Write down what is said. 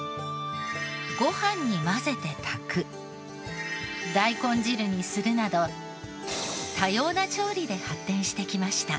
ご飯に混ぜて炊く大根汁にするなど多様な調理で発展してきました。